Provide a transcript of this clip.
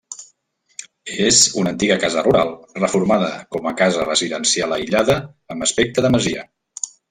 És una antiga casa rural reformada com a casa residencial aïllada amb aspecte de masia.